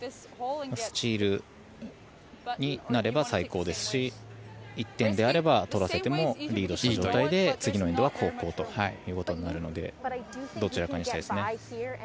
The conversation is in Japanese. スチールになれば最高ですし１点であれば取らせてもリードしているので次のエンドは後攻ということになるのでどちらかにしたいですね。